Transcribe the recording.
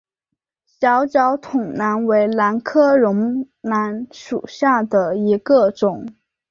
小脚筒兰为兰科绒兰属下的一个种。